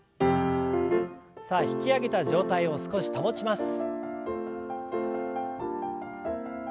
さあ引き上げた状態を少し保ちます。